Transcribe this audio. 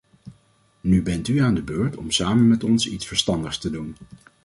Nu bent u aan de beurt om samen met ons iets verstandigs te doen!